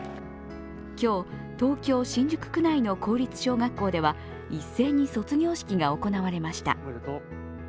今日、東京・新宿区内の公立小学校では一斉に卒業式が行われました。